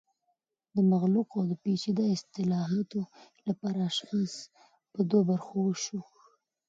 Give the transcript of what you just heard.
د مغلقو او پیچده اصطالحاتو لپاره اشخاص په دوه برخو ویشو